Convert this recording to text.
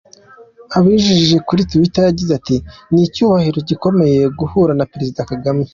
Abinyujije uri Twitter yagize ati “Ni icyubahiro gikomeye guhura na Perezida Kagame.